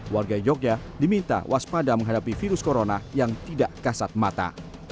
warga jogja diminta waspada menghadapi virus corona yang tidak kasat mata